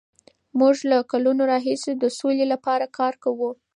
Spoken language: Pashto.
موږ له کلونو راهیسې د سولې لپاره کار کوو.